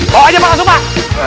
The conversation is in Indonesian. bawa aja pak langsung pak